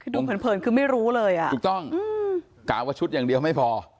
เผินคือไม่รู้เลยอ่ะถูกต้องกล่าวว่าชุดอย่างเดียวไม่พอ